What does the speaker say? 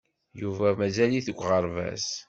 Yuba mazal-it deg uɣerbaz.